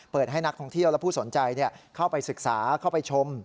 ให้นักท่องเที่ยวและผู้สนใจเข้าไปศึกษาเข้าไปชม